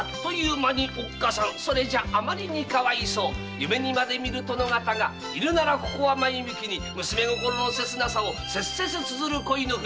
夢にまで見る殿方がいるならここは前向きに娘心の切なさを切々と綴る恋の文。